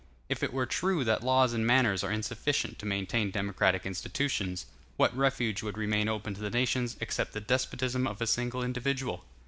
If it were true that laws and manners are insufficient to maintain democratic institutions, what refuge would remain open to the nations, except the despotism of a single individual?